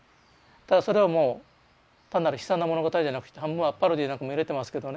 ただそれはもう単なる悲惨な物語じゃなくて半分はパロディーなんかも入れてますけどね。